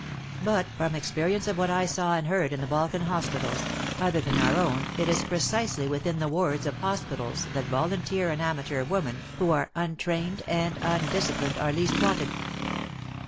But from experience of what I saw and heard in the Balkan hospitals — other than our own — it is precisely within the wards of hospitals that volunteer and amateur women who are untrained and undisciplined are least wanted.